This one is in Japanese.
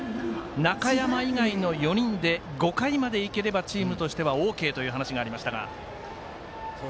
中山以外の４人で５回までいければチームとしてはＯＫという話がありましたが。